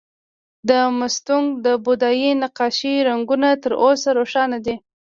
د مستونګ د بودايي نقاشیو رنګونه تر اوسه روښانه دي